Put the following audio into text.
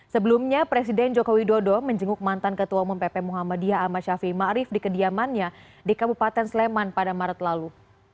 sebelumnya presiden jokowi dodo menjenguk mantan ketua umum pp muhammadiyah ahmad syafi ma'arif di kediamannya di kabupaten sleman pada maret lalu